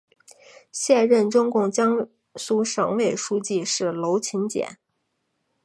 现任中共江苏省委书记是娄勤俭。